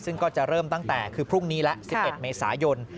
ซึ่งก็จะเริ่มตั้งแต่คือพรุ่งนี้ละ๑๑เมษายน